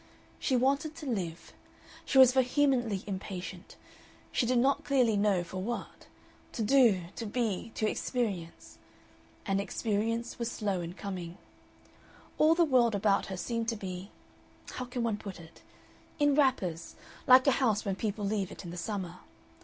She wanted to live. She was vehemently impatient she did not clearly know for what to do, to be, to experience. And experience was slow in coming. All the world about her seemed to be how can one put it? in wrappers, like a house when people leave it in the summer.